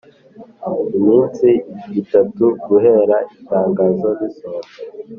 iminsi itatu guhera itangazo risohotse